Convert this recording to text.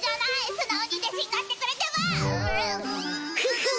素直に弟子になってくれても！フフン！